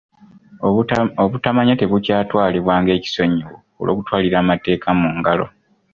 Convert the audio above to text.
Obutamanya tebukyatwalibwa ng'ekisonyiwo olw'okutwalira amateeka mu ngalo.